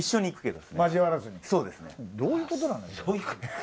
どういうことなの？